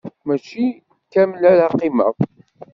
Mačči kamel ara qqimeɣ.